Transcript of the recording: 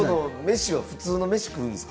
飯は普通の飯を食うんですか？